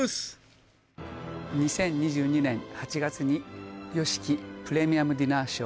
２０２２年８月にＹＯＳＨＩＫＩプレミアムディナーショー